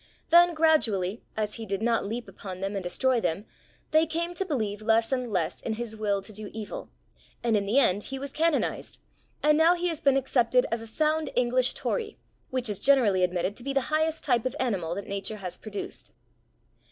Then, gradually, as he did not leap upon them and destroy them, they came to believe less and less in his will to do evil, and in the end he was canonised, and now he has been accepted as a sound English Tory, which is generally admitted to be the highest type of animal that Nature has produced.